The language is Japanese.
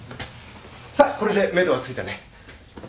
さあこれでめどは付いたね。